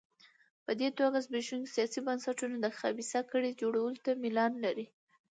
په دې توګه زبېښونکي سیاسي بنسټونه د خبیثه کړۍ جوړولو ته میلان لري.